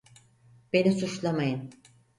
Beni suçlamayın.